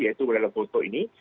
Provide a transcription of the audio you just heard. yaitu relakoto ini